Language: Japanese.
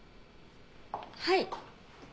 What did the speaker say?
はい。